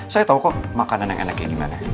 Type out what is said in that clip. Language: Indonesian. saya tahu kok makanan yang enaknya gimana